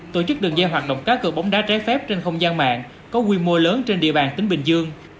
tổ chức đường dây hoạt động cá cơ bóng đá trái phép trên không gian mạng có quy mô lớn trên địa bàn tỉnh bình dương